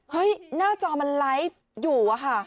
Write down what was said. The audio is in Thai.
เห้ยหน้าจอมันไลฟ์อยู่แล้วค่ะ